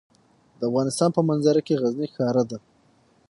د افغانستان په منظره کې غزني ښکاره ده.